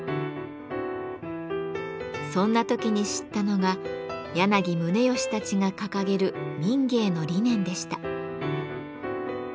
そんな時に知ったのが柳宗悦たちが掲げる民藝の理念でした。